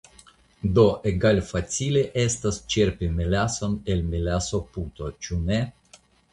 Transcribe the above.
Do egalfacile estas ĉerpi melason el melasoputo, ĉu ne?